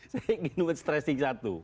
saya cuma stress satu